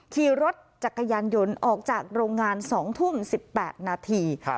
ขี่รถจักรยานยนต์ออกจากโรงงาน๒ทุ่ม๑๘นาที